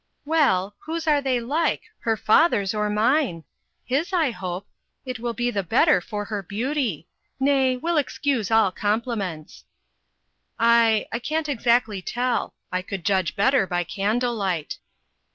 "Well, whose are they like her father's or mine? His, I hope it will be the better for her beauty. Nay, we'll excuse all compliments." "I I can't exactly tell. I could judge better by candlelight."